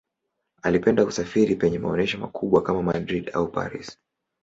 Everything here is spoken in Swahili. Alipenda kusafiri penye maonyesho makubwa kama Madrid au Paris.